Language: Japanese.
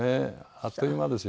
あっという間ですよ